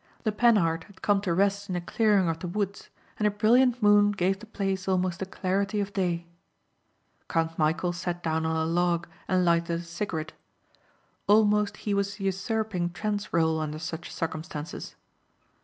The Panhard had come to rest in a clearing of the woods and a brilliant moon gave the place almost the clarity of day. Count Michæl sat down on a log and lighted a cigarette. Almost he was usurping Trent's rôle under such circumstances.